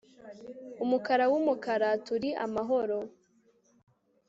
UMUKARA WUMUKARA TURI AMAHORO